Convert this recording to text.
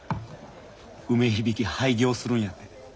梅響廃業するんやて。